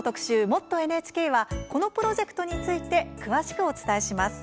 「もっとＮＨＫ」はこのプロジェクトについて詳しくお伝えします。